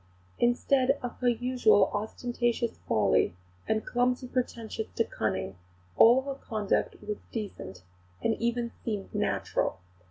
Instead of her usual ostentatious folly and clumsy pretensions to cunning, all her conduct was decent, and even seemed natural.